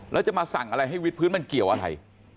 แล้วจะมาสั่งอะไรให้วิดพื้นมันเกี่ยวอะไร